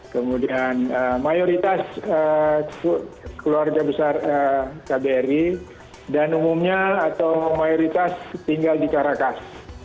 kemudian mayoritas keluarga besar kbri dan umumnya atau mayoritas tinggal di karakas